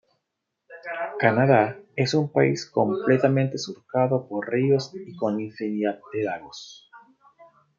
Canadá es un país completamente surcado por ríos y con infinidad de lagos.